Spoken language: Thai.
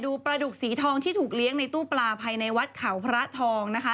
ปลาดุกสีทองที่ถูกเลี้ยงในตู้ปลาภายในวัดเขาพระทองนะคะ